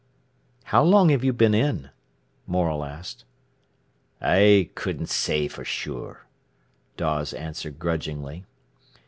"How long have you been in?" Morel asked. "I couldn't say for sure," Dawes answered grudgingly.